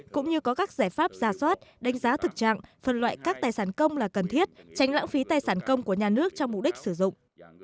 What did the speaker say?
cũng như có các giải pháp giả soát đánh giá thực trạng phân loại các tài sản công là cần thiết tránh lãng phí tài sản công của nhà nước cho mục đích sử dụng